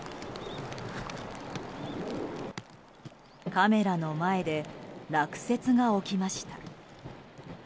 カメラの前で落雪が起きました。